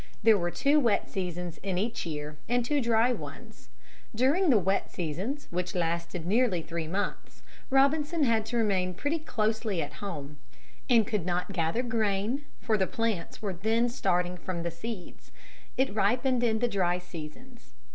There were two wet seasons in each year and two dry ones. During the wet seasons, which lasted nearly three months, Robinson had to remain pretty closely at home, and could not gather grain, for the plants were then starting from the seeds. It ripened in the dry seasons.